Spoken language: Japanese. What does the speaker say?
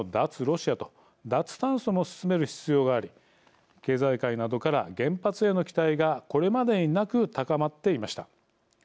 ロシアと脱炭素も進める必要があり経済界などから原発への期待がこれまでになく高まっていました。